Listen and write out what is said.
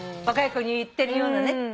若い子に言ってるようなね。